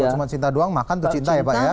cuma cinta doang makan tuh cinta ya pak ya